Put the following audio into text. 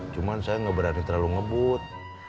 cuman saya gak berani terlalu ngebut